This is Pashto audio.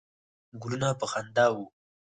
ګلونه په خندا وه.